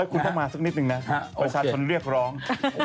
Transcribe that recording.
คุณต้องมาสักนิดนึงนะประชาชนเรียกร้อง